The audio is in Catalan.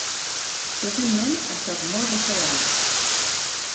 Recentment ha estat molt restaurada.